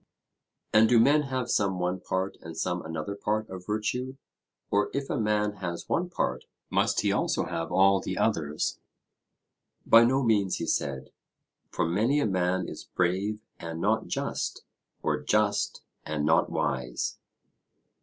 And do men have some one part and some another part of virtue? Or if a man has one part, must he also have all the others? By no means, he said; for many a man is brave and not just, or just and not wise.